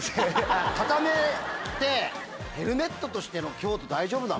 畳めてヘルメットとしての強度大丈夫なの？